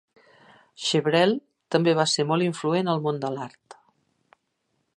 Chevreul també va ser molt influent al món de l'art.